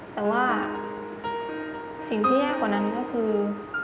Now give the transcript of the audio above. แต่ว่าสิ่งที่แย่กว่านั้นก็คือ